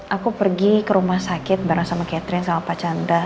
aku pergi ke rumah sakit bareng sama catherine sama pak chandra